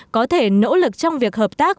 có thể nỗ lực trong việc hợp tác